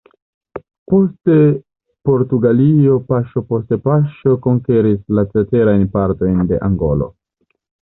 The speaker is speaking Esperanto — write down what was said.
Poste Portugalio paŝo post paŝo konkeris la ceterajn partojn de Angolo.